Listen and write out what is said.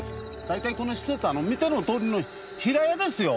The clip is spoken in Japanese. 大体この施設はあの見てのとおりの平屋ですよ。